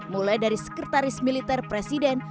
mulai dari sekretaris militer presiden